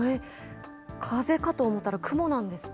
風かと思ったら、雲なんですか。